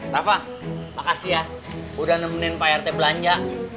rafa makasih ya udah nemenin pak rt belanja